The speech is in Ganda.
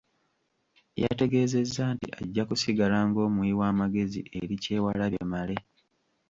Yategeezezza nti ajja kusigala ng’omuwi w’amagezi eri Kyewalabye Male.